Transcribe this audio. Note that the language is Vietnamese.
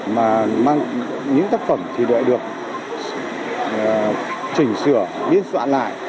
mà những tác phẩm thì đợi được chỉnh sửa biên soạn lại